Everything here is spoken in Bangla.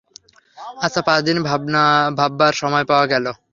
আচ্ছা, পাঁচ দিন ভাববার সময় পাওয়া গেল।